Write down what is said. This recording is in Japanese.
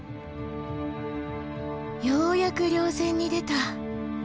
ようやく稜線に出た。